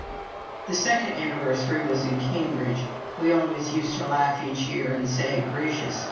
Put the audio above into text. The second anniversary was in Cambridge. We always used to laugh each year and say: "Gracious!